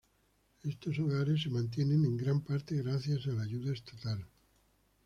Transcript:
Estos hogares reciben se mantienen en gran parte gracias a la ayuda estatal.